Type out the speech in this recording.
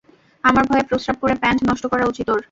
আমার ভয়ে প্রস্রাব করে প্যান্ট নষ্ট করা উচিত ওর!